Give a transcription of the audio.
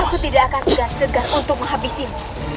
aku tidak akan segar untuk menghabisi kamu